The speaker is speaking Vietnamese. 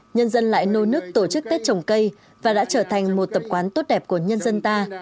nhân dân lại nô nức tổ chức tết trồng cây và đã trở thành một tập quán tốt đẹp của nhân dân ta